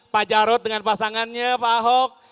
pak jarod dengan pasangannya pak ahok